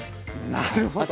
なるほど！